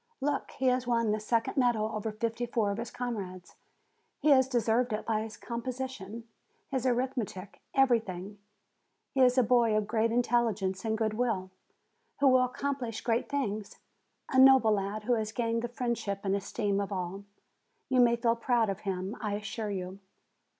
Look : he has won the second medal over fifty four of his comrades. He has deserved it by his composi tion, his arithmetic, everything. He is a boy of great n8 FEBRUARY intelligence and good will, who will accomplish great things ; a noble lad, who has gained the friendship and esteem of all. You may feel proud of him, I assure you."